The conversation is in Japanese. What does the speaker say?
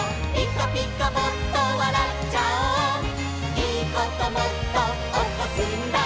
「いいこともっとおこすんだ」